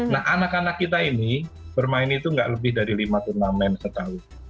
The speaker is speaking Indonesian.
nah anak anak kita ini bermain itu nggak lebih dari lima turnamen setahun